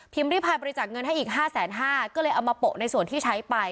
ริพายบริจาคเงินให้อีก๕๕๐๐บาทก็เลยเอามาโปะในส่วนที่ใช้ไป